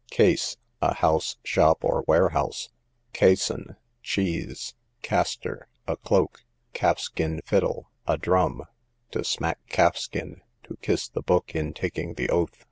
Case, a house, shop, or warehouse. Cassun, cheese. Caster, a cloak. Calfskin fiddle, a drum. To smack calfskin; to kiss the book in taking the oath.